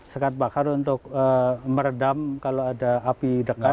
sekat bakar untuk meredam kalau ada api dekat